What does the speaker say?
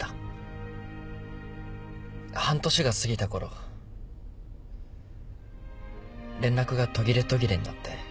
半年が過ぎたころ連絡が途切れ途切れになって。